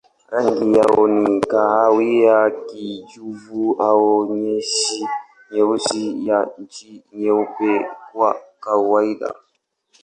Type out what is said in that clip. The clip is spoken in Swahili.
Rangi yao ni kahawia, kijivu au nyeusi na chini nyeupe kwa kawaida.